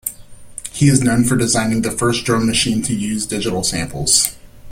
He is known for designing the first drum machine to use digital samples.